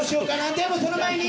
でもその前に